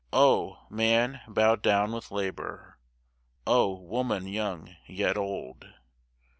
O man bowed down with labour! O woman young, yet old!